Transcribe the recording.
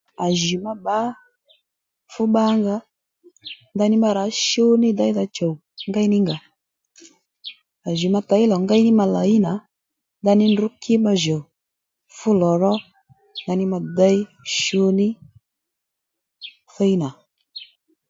À jì ma bbǎ fú bba nga ndaní ma rǎ shú ní déydha chùw ngéy ní ngà à jì ma těy lò ngéy ní ma làyi nà ndaní ndrǔ kí ma jùw fú lò ró ndaní ma déy shú ní thíy nà